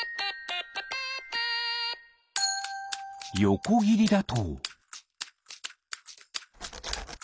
よこぎりだと。